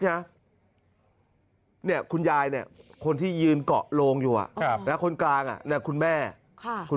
นี่คุณยายคนที่ยืนเกาะโลงอยู่